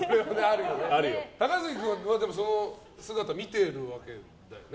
高杉君はその姿見てるわけだよね。